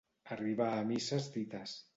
Arribar a misses dites.